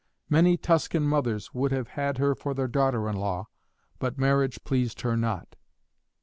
Many Tuscan mothers would have had her for their daughter in law, but marriage pleased her not.